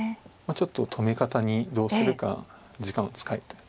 ちょっと止め方にどうするか時間を使いたい。